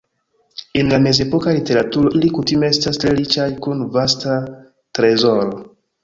En la mezepoka literaturo, ili kutime estas tre riĉaj kun vasta trezoro.